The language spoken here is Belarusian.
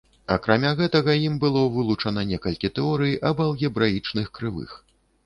Акрамя гэтага ім было вылучана некалькі тэорый аб алгебраічных крывых.